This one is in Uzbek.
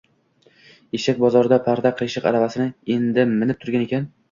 Eshak bozorda Parda qiyshiq aravasini endi minib turgan ekan.